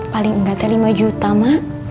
paling enggak lima juta mak